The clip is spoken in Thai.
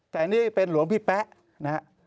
แต่นี่เป็นหลวงพี่แป๊ะนะฮะ